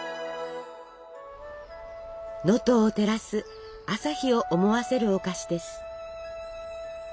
能登を照らす朝日を思わせるお菓子です。